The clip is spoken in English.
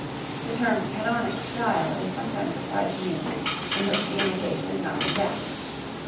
The term "canonic style" is sometimes applied to music in which the imitation is not exact.